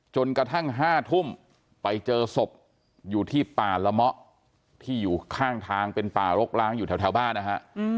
กระทั่ง๕ทุ่มไปเจอศพอยู่ที่ป่าละเมาะที่อยู่ข้างทางเป็นป่ารกล้างอยู่แถวบ้านนะฮะ